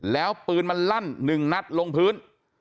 แล้วปืนมันลั่น๑นัดลงพื้น